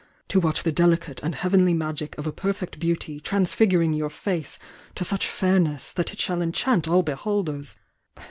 — to watch the delicate and heavenly magic of a perfect beauty transfiguring your face to such fairness that It shall enchant all beholders!